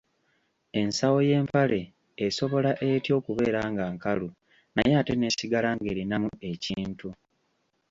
Ensawo y’empale esobola etya okubeera nga nkalu naye ate n’esigala ng’erinamu ekintu?